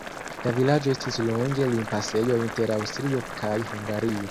La vilaĝo estis longe limpasejo inter Aŭstrio kaj Hungario.